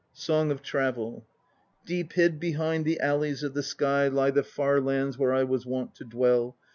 (Song of Travel.) Deep hid behind the alleys of the sky Lie the far lands where I was wont to dwell.